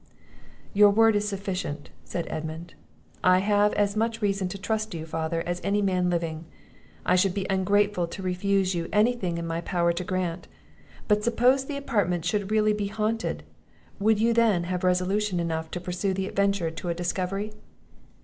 "Your word is sufficient," said Edmund; "I have as much reason to trust you, father, as any man living; I should be ungrateful to refuse you any thing in my power to grant; But suppose the apartment should really be haunted, would you have resolution enough to pursue the adventure to a discovery?"